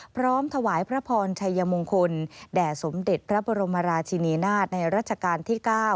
พร้อมถวายพระพรชัยมงคลแด่สมเด็จพระบรมราชินีนาฏในรัชกาลที่๙